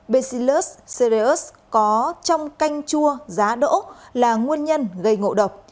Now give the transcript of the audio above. bacillus cereus có trong canh chua giá đỗ là nguồn nhân gây ngộ độc